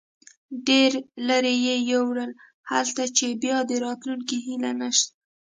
ډېر لرې یې یوړل، هلته چې بیا د راتلو هیله نشته.